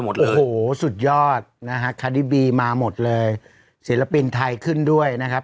โอ้โหสุดยอดนะฮะคาดิบีมาหมดเลยศิลปินไทยขึ้นด้วยนะครับ